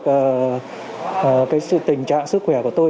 cái tình trạng sức khỏe của tôi